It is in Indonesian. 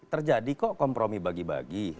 terjadi kok kompromi bagi bagi